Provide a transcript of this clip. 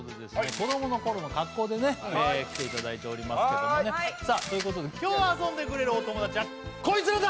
子どもの頃の格好でね来ていただいておりますけどもねさあということで今日遊んでくれるお友達はコイツらだ！